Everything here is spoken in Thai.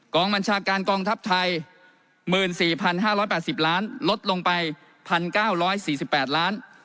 บัญชาการกองทัพไทย๑๔๕๘๐ล้านลดลงไป๑๙๔๘ล้าน